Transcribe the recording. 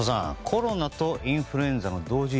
コロナとインフルエンザの同時